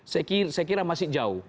saya kira masih jauh